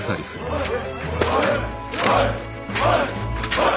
おい！